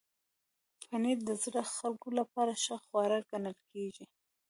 پنېر د زړو خلکو لپاره ښه خواړه ګڼل کېږي.